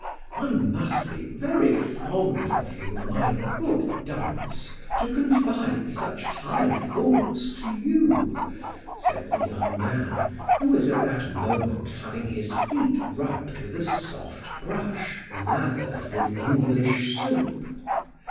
"I must be very fond of you, my good dunce, to confide such high thoughts to you," said the young man, who was at that moment having his feet rubbed with a soft brush lathered with English soap.